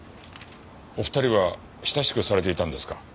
お二人は親しくされていたんですか？